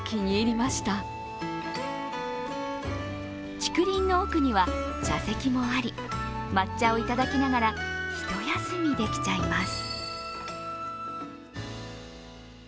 竹林の奥には茶席もあり、抹茶をいただきながら一休みできちゃいます。